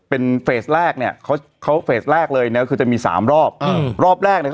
เป็นเฟสแรกเนี่ยเฟสแรกเลยเนี่ยก็คือจะมี๓รอบรอบแรกเนี่ย